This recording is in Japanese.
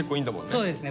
そうですね